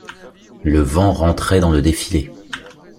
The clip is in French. Le vent rentrait dans le défilé.